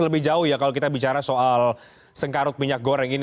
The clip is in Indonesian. lebih jauh ya kalau kita bicara soal sengkarut minyak goreng ini